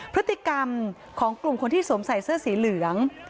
พฤติกรรมของกลุ่มคนที่สวมใส่เสื้อสีเหลือง